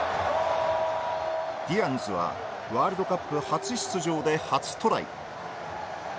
ディアンズはワールドカップ初出場で初トライ。